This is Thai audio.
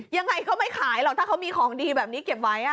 ยังไงก็ไม่ขายหรอกถ้าเขามีของดีแบบนี้เก็บไว้